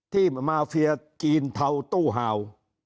ที่มาเฟียจีนเทาตู้ฮาว